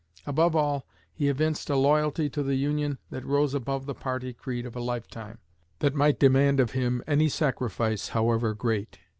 Above all, he evinced a loyalty to the Union that rose above the party creed of a lifetime that might demand of him any sacrifice however great."